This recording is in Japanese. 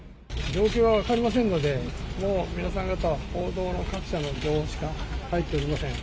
状況が分かりませんので、もう皆さん方、報道の各社の情報しか入っておりません。